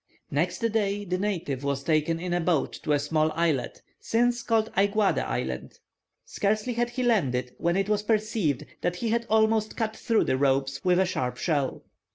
Next day, the native was taken in a boat to a small islet, since called Aiguade Island. Scarcely had he landed when it was perceived that he had almost cut through the ropes with a sharp shell.